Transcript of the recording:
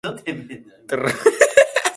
石川県内灘町